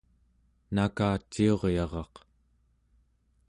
Nakaciuryaraq